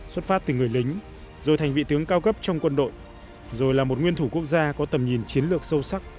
xuất phát từ người lính rồi thành vị tướng cao cấp trong quân đội rồi là một nguyên thủ quốc gia có tầm nhìn chiến lược sâu sắc